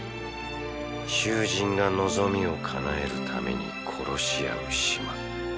囚人が望みを叶えるために殺し合う島。